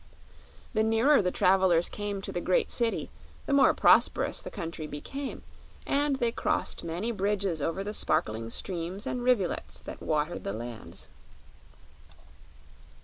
The nearer the travelers came to the great city the more prosperous the country became, and they crossed many bridges over the sparkling streams and rivulets that watered the lands.